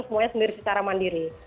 semuanya sendiri secara mandiri